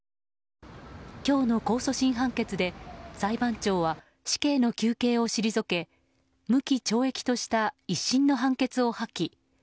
今日の控訴審判決で裁判長は死刑の求刑を退け無期懲役とした１審の判決を破棄。